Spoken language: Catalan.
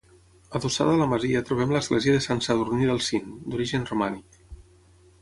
Adossada a la masia trobem l'església de Sant Sadurní del Cint, d'origen romànic.